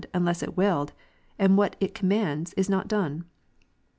149 unless it willed, and what it commands is not done.